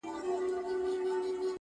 یو عرب وو په صحرا کي را روان وو،